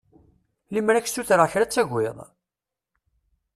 Lemmer ad k-ssutreɣ kra ad tagiḍ?